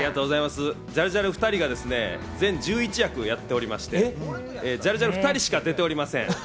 ジャルジャル２人が全１１役をやっておりましてジャルジャル２人しか出ておりません。